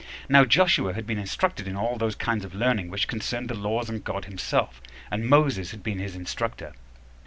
Now Joshua had been instructed in all those kinds of learning which concerned the laws and God himself, and Moses had been his instructor.